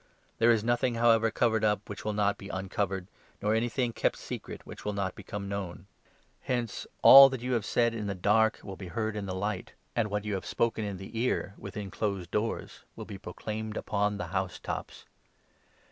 There is nothing, however covered up, which will not be uncovered, nor anything kept secret which will not become known. Hence all that you have said in the dark will be heard in the light, and what you have 60 Enoch 9. i. 134 LUKE, 12. spoken in the ear, within closed doors, will be proclaimed upon the housetops.